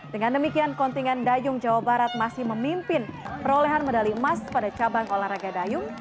dengan demikian kontingan dayung jawa barat masih memimpin perolehan medali emas pada cabang olahraga dayung